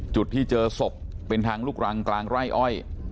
จุดที่เจอศพเป็นทางลูกรังกลางไร่อ้อย